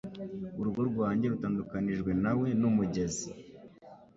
Urugo rwanjye rutandukanijwe na we n'umugezi.